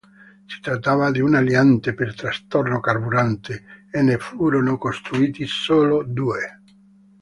Si trattava di un aliante per trasporto carburante, e ne furono costruiti solo due.